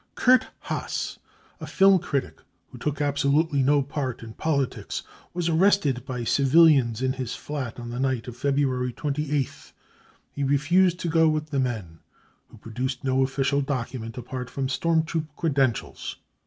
Kurt Haas, a film critic who took absolutely no part in politics, was arrested by civilians in his flat on the night of February 28th. He refused to go with the men, who produced no official document apart from storm troop credentials.